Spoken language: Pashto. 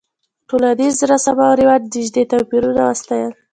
ټولنیز رسم او رواج نژادي توپیرونه وساتل.